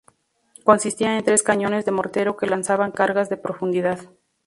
Consistía en tres cañones de mortero que lanzaban cargas de profundidad.